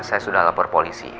saya sudah lapor polisi